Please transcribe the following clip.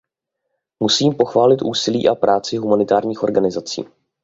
Musím pochválit úsilí a práci humanitárních organizací.